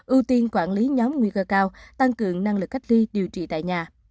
ưu tiên quản lý nhóm nguy cơ cao tăng cường năng lực cách ly điều trị tại nhà